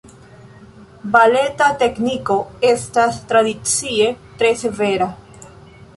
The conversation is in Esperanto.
Baleta tekniko estas tradicie tre severa.